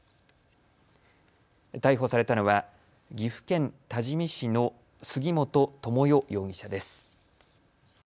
逮捕されたのは岐阜県多治見市の杉本智代容疑者です。